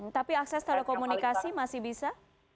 tapi akses telekomunikasi masih bisa